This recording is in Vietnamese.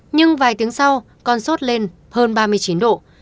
nhưng vài tiếng sau con sốt lên hơn ba mươi chín độ